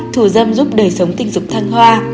ba thủ dâm giúp đời sống tinh dục thăng hoa